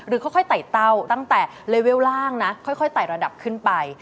ค่อยไต่เต้าตั้งแต่เลเวลล่างนะค่อยไต่ระดับขึ้นไป